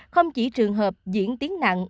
không chỉ trường hợp diễn tiếng nặng